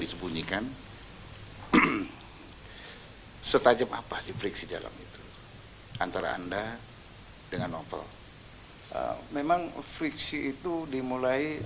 disembunyikan setajam apa sih friksi dalam itu antara anda dengan novel memang friksi itu dimulai